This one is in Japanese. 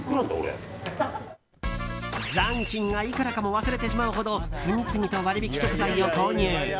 残金がいくらかも忘れてしまうほど次々と割引食材を購入。